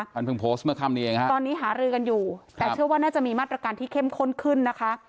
ตอนนี้หารือกันอยู่แต่เชื่อว่าน่าจะมีมาตรการที่เข้มข้นขึ้นนะคะ